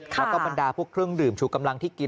แล้วก็บรรดาพวกเครื่องดื่มชูกำลังที่กิน